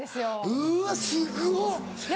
うわすごっ！